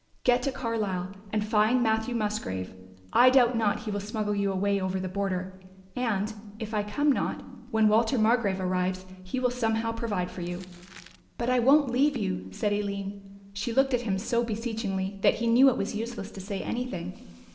Get to Carlisle and find Matthew Musgrave. I doubt not he will smuggle you away over the border; and, if I come not, when Walter Margrove arrives he will somehow provide for you." "But I won't leave you," said Aline. She looked at him so beseechingly, that he knew it was useless to say anything.